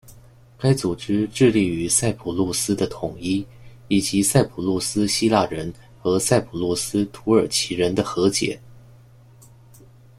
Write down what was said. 该组织致力于塞浦路斯的统一以及塞浦路斯希腊人和塞浦路斯土耳其人的和解。